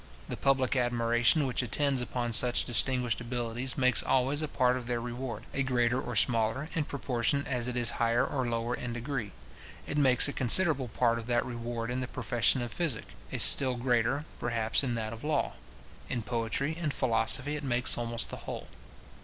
The public admiration which attends upon such distinguished abilities makes always a part of their reward; a greater or smaller, in proportion as it is higher or lower in degree. It makes a considerable part of that reward in the profession of physic; a still greater, perhaps, in that of law; in poetry and philosophy it makes almost the whole.